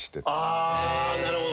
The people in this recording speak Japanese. あなるほど。